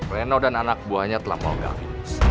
reno dan anak buahnya telah bawa gavin